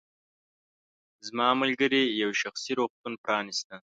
زما ملګرې یو شخصي روغتون پرانیسته.